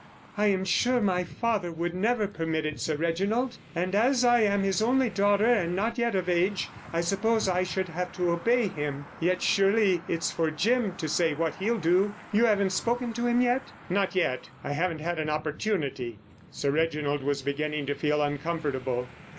"I am sure my father would never permit it, Sir Reginald, and as I am his only daughter and not yet of age, I suppose I should have to obey him. Yet, surely, it's for Jim to say what he'll do. You haven't spoken to him yet?" "Not yet. I haven't had an opportunity." Sir Reginald was beginning to feel uncomfortable.